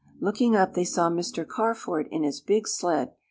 Looking up they saw Mr. Carford in his big sled.